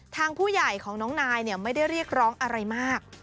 ทางผู้ใหญ่ของน้องนายไม่ได้เรียกร้องอะไรมาก